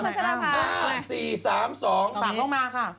อัมพัชรภาพ๕๔๓๒๑สั่งลงมาค่ะ